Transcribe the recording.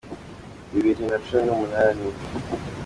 bibiri na cumi n’umunani